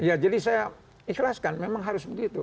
ya jadi saya ikhlaskan memang harus begitu